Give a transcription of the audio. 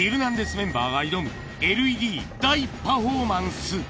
メンバーが挑むＬＥＤ大パフォーマンス。